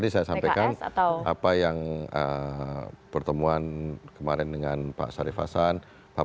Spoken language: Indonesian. tadi saya sampaikan apa yang pertemuan kemarin dengan pak sarif hasan pak prabowo subianto